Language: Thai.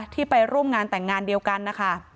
ไปร่วมงานแต่งงานเดียวกันนะคะ